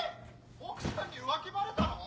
奥さんに浮気バレたの！？